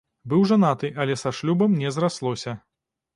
Быў жанаты, але са шлюбам не зраслося.